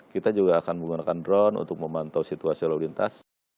kita juga akan menggunakan drone untuk memantau situasi lalu lintas